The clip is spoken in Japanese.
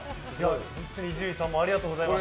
本当に伊集院さんもありがとうございます。